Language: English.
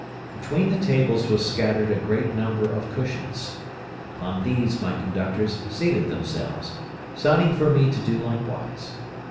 "Between the tables was scattered a great number of cushions. Upon these my conductors seated themselves, signing for me to do likewise.